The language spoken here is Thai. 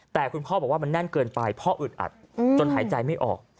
แต่คุณพ่อบอกว่ามันแน่นเกินไปพ่ออึดอัดจนหายใจไม่ออก